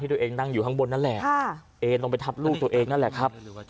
ตัวเองนั่งอยู่ข้างบนนั่นแหละเอ็นลงไปทับลูกตัวเองนั่นแหละครับ